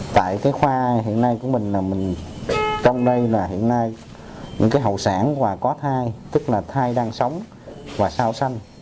tại cái khoa hiện nay của mình là mình trong đây là hiện nay những cái hậu sản mà có thai tức là thai đang sống và sao xanh